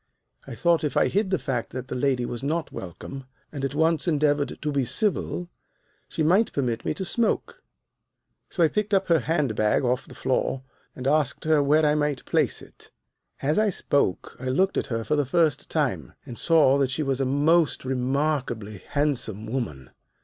I thought if I hid the fact that the lady was not welcome, and at once endeavored to be civil, she might permit me to smoke. So I picked her hand bag off the floor and asked her where I might place it. "As I spoke I looked at her for the first time, and saw that she was a most remarkably handsome woman.